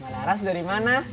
laras dari mana